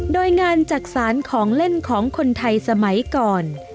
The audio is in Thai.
โดยงานจักษานของเล่นของคนไทยสมัยก่อน